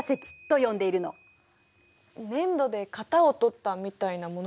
粘土で型をとったみたいなものかな。